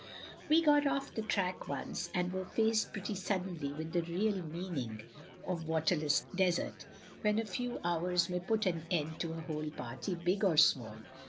".... We got off the track once, and were faced pretty suddenly with the real meaning of water less desert; when a few hours may put an end to a whole party, big or small.